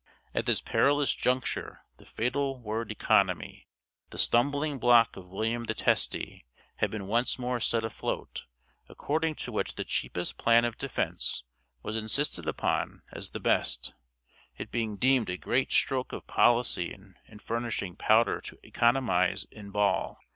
At this perilous juncture the fatal word economy, the stumbling block of William the Testy, had been once more set afloat, according to which the cheapest plan of defense was insisted upon as the best; it being deemed a great stroke of policy in furnishing powder to economise in ball.